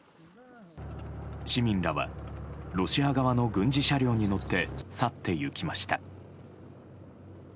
市民らはロシア側の軍事車両に乗って去って行きました。